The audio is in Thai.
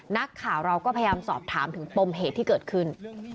นักข่าวเราก็พยายามสอบถามถึงปมเหตุที่เกิดขึ้น